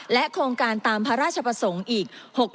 โครงการตามพระราชประสงค์อีก